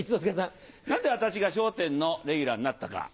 なんで私が笑点のレギュラーになったか。